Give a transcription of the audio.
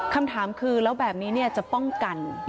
คำถามคือแล้วแบบนี้จะป้องกัน